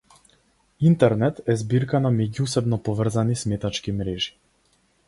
Интернет е збирка на меѓусебно поврзани сметачки мрежи.